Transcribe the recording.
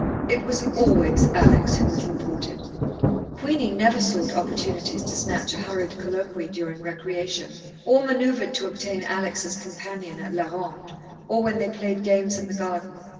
It was always Alex who was reported. Queenie never sought opportunities to snatch a hurried colloquy during recreation, or manoeuvred to obtain Alex as companion at la ronde, or when they played games in the garden.